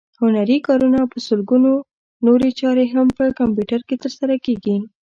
هنري کارونه او په سلګونو نورې چارې هم په کمپیوټر کې ترسره کېږي.